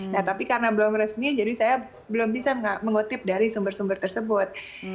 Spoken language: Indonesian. nah tapi karena belum resmi jadi saya belum bisa mengutip dari sumber sumber tersebut